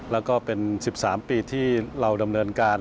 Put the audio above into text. แล้วก็เป็น๑๓ปีที่เราดำเนินการ